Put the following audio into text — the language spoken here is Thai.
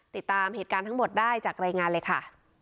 ติดตามเหตุการณ์ทั้งหมดได้จากรายงานเลยค่ะ